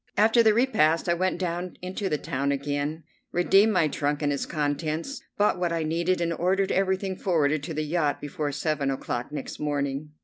After the repast I went down into the town again, redeemed my trunk and its contents, bought what I needed, and ordered everything forwarded to the yacht before seven o'clock next morning.